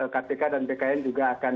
kpk dan bkn juga akan